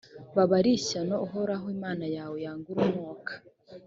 baba ari ishyano uhoraho imana yawe yanga urunuka.